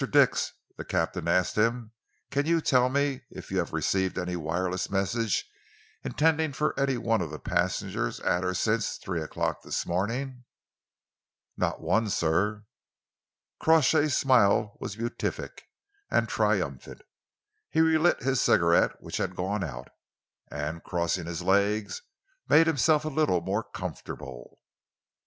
Dix," the captain asked him, "can you tell me if you have received any wireless message intended for any one of the passengers at or since three o'clock this morning?" "Not one, sir." Crawshay's smile was beatific and triumphant. He relit his cigarette which had gone out, and, crossing his legs, made himself a little more comfortable.